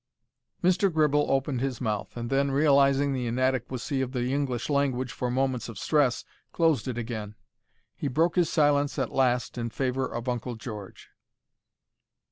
Mr. Gribble opened his mouth, and then, realizing the inadequacy of the English language for moments of stress, closed it again. He broke his silence at last in favour of Uncle George.